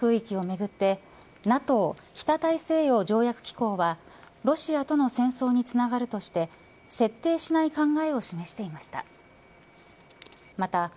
ＮＡＴＯ北大西洋条約機構はロシアとの戦争につながるとして設定しない考えを示していました。